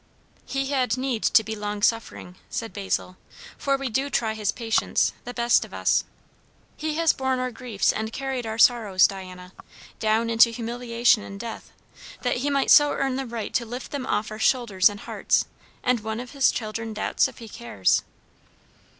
"He had need to be long suffering!" said Basil; "for we do try his patience, the best of us. 'He has borne our griefs and carried our sorrows,' Diana; down into humiliation and death; that he might so earn the right to lift them off our shoulders and hearts; and one of his children doubts if he cares!"